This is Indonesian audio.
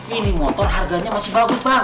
ini motor harganya masih bagus pak